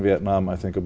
ở việt nam không